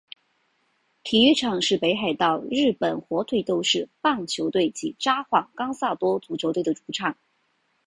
体育场是北海道日本火腿斗士棒球队及札幌冈萨多足球队的主场。